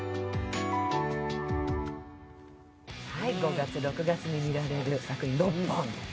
５月、６月に見られる作品６本。